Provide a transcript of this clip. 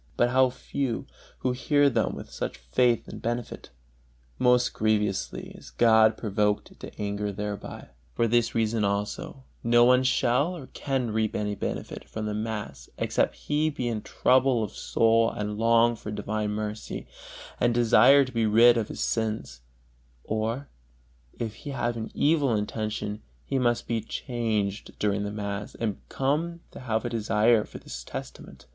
but how few who hear them with such faith and benefit! Most grievously is God provoked to anger thereby. For this reason also no one shall or can reap any benefit from the mass except he be in trouble of soul and long for divine mercy, and desire to be rid of his sins; or, if he have an evil intention, he must be changed during the mass, and come to have a desire for this testament.